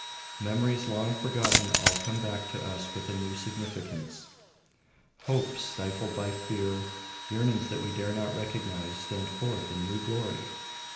Memories long forgotten all come back to us with a new significance. Hopes stifled by fear, yearnings that we dare not recognise, stand forth in new glory.